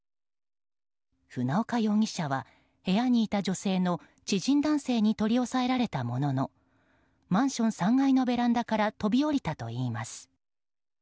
船岡容疑者は部屋にいた女性の知人男性に取り押さえられたもののマンション３階のベランダから飛び降りたといいます。